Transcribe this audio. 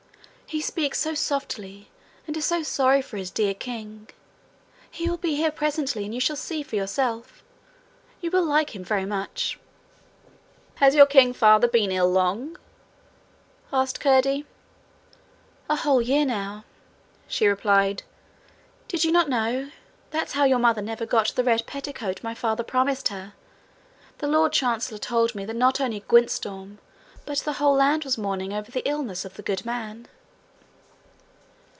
'He speaks so softly, and is so sorry for his dear king! He will be here presently, and you shall see for yourself. You will like him very much.' 'Has your king father been long ill?' asked Curdie. 'A whole year now,' she replied. 'Did you not know? That's how your mother never got the red petticoat my father promised her. The lord chancellor told me that not only Gwyntystorm but the whole land was mourning over the illness of the good man.'